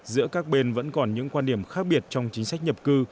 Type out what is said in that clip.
giữa các bên vẫn còn những quan điểm khác biệt trong chính sách nhập cư